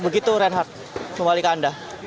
begitu reinhard kembali ke anda